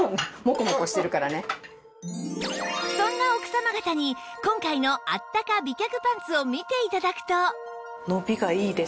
そんな奥様方に今回のあったか美脚パンツを見て頂くと